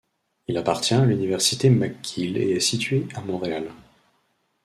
Il appartient à l’Université McGill et est situé à Montréal.